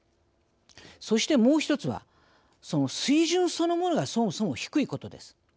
そしてもう１つはその水準そのものがそもそも低いことです。